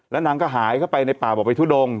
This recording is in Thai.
แล้วนางก็หายเข้าไปในป่าบอกไปทุดง